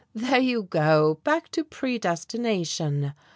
"There you go back to predestination!"